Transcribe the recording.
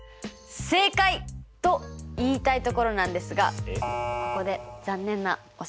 正解！と言いたいところなんですがここで残念なお知らせです。